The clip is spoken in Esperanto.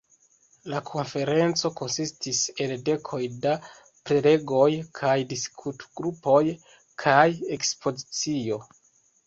La konferenco konsistis el dekoj da prelegoj kaj diskutgrupoj kaj ekspozicio.